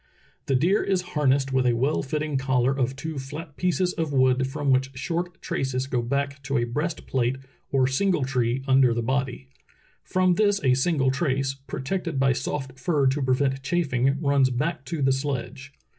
"The deer is harnessed with a well fitting collar of two flat pieces of wood from which short traces go back to a breastplate or single tree under the body. From this a single trace, protected by soft fur to prevent chafing, runs back to the sledge.